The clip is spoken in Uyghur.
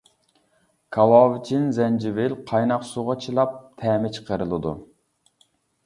كاۋاۋىچىن، زەنجىۋىل قايناق سۇغا چىلاپ تەمى چىقىرىلىدۇ.